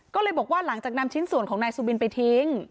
ก็เลยบอกว่าหลังจากนำชิ้นส่วนของนายสุบินไปทิ้ง